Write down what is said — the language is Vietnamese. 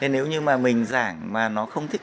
nếu như mình giảng mà nó không thích